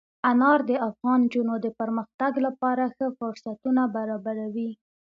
انار د افغان نجونو د پرمختګ لپاره ښه فرصتونه برابروي.